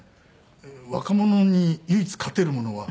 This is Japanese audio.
若者に唯一勝てるものは。